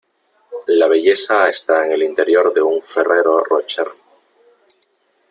La belleza está en el interior de un Ferrero Rocher.